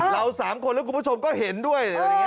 เรา๓คนและคุณผู้ชมก็เห็นด้วย